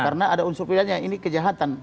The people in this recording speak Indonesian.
karena ada unsur pidananya ini kejahatan